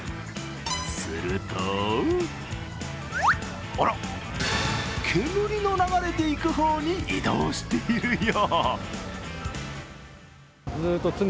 すると、あらっ、煙の流れていく方に移動しているよう。